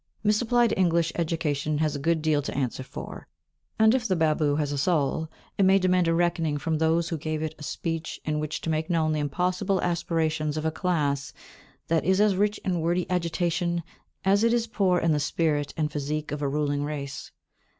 Misapplied English education has a good deal to answer for, and, if the babu has a soul, it may demand a reckoning from those who gave it a speech in which to make known the impossible aspirations of a class that is as rich in wordy agitation as it is poor in the spirit and physique of a ruling race.